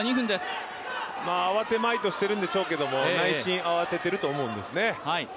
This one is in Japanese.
慌てまいと思ってるんでしょうけど、内心慌ててると思いますね。